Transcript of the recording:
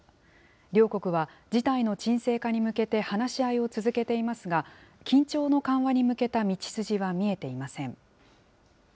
両国は、事態の沈静化に向けて話し合いを続けていますが、緊張の緩和に向けた道筋は見えていません。